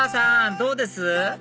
どうです？